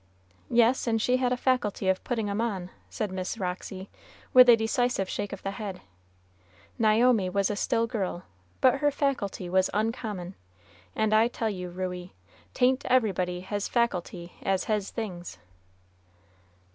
"Yes, and she had a faculty of puttin' of 'em on," said Miss Roxy, with a decisive shake of the head. "Naomi was a still girl, but her faculty was uncommon; and I tell you, Ruey, 'tain't everybody hes faculty as hes things."